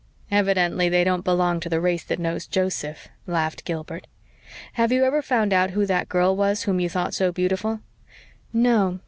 "Evidently they don't belong to the race that knows Joseph," laughed Gilbert. "Have you ever found out who that girl was whom you thought so beautiful?" "No.